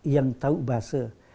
yang tahu bahasa